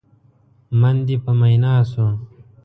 من دې په مينا شو؟!